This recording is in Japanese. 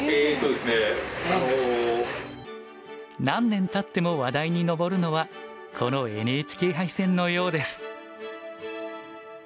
何年たっても話題に上るのはこのＮＨＫ杯戦のようです。